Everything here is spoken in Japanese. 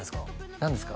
何ですか？